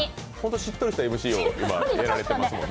しっとりしたＭＣをやられてますもんね。